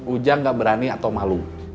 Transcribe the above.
ujang nggak berani atau malu